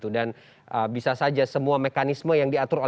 dan bisa saja semua mekanisme yang diatur